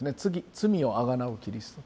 罪をあがなうキリスト。